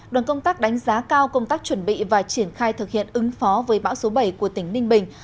đoàn công tác đánh giá cao công tác chuẩn bị và triển khai thực hiện ứng phó với bão số bảy của tỉnh ninh bình